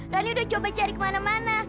roni udah coba cari kemana mana